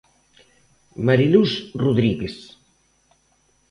Mari Luz Rodríguez.